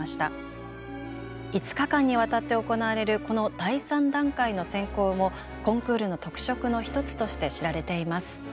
５日間にわたって行われるこの第３段階の選考もコンクールの特色の一つとして知られています。